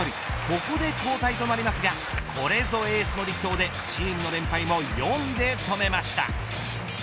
ここで交代となりますがこれぞエースの力投でチームの連敗も４で止めました。